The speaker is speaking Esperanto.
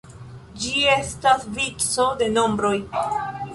Ĝi estas vico de nombroj.